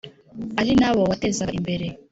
ari nabo watezaga imbere,